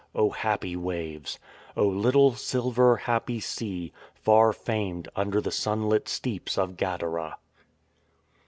O happy waves ! O little, silver, happy sea, far famed, Under the sunlit steeps of Gadara."